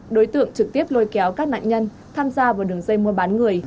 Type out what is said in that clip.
đối tượng trực tiếp lôi kéo các nạn nhân tham gia vào đường dây mua bán người